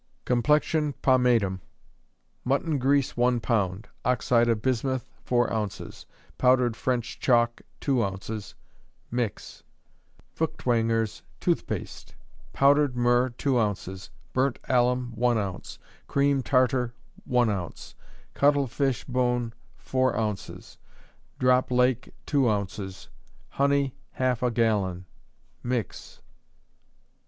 Complexion Pomatum. Mutton grease, one pound; oxide of bismuth, four ounces; powdered French chalk, two ounces; mix. Feuchtwanger's Tooth Paste. Powdered myrrh, two ounces; burnt alum, one ounce; cream tartar, one ounce; cuttlefish bone, four ounces: drop lake, two ounces; honey, half a gallon; mix.